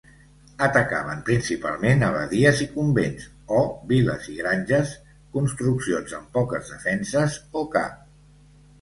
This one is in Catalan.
Atacaven principalment abadies i convents o viles i granges, construccions amb poques defenses o cap.